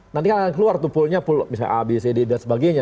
nanti kan akan keluar tuh poolnya pool misalnya a b c d dan sebagainya